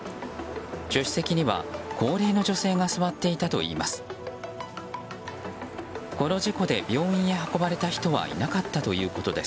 助手席には高齢の女性が座っていたといいます。